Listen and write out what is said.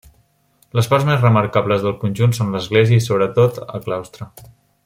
Les parts més remarcables del conjunt són l'església i, sobretot, el claustre.